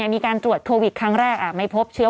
มีการตรวจโควิดครั้งแรกไม่พบเชื้อ